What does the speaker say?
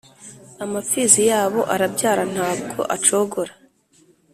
amapfizi yabo arabyara ntabwo acogora,